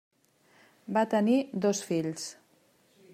Va tenir dos fills.